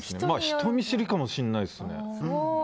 人見知りかもしれないですね。